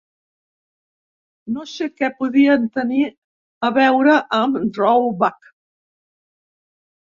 No sé què podien tenir a veure amb Drawback!